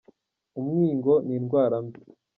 Umwingo ni indwara mbi.